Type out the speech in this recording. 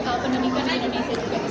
kalau pendidikan di indonesia juga